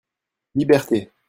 Liberté !